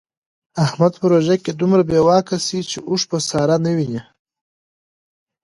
احمد په روژه کې دومره بې واکه شي چې اوښ په ساره نه ویني.